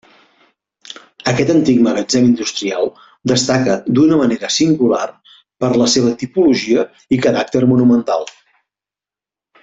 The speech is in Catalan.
Aquest antic magatzem industrial destaca d'una manera singular per la seva tipologia i caràcter monumental.